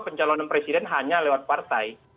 pencalonan presiden hanya lewat partai